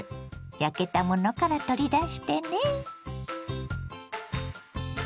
焼けたものから取り出してね。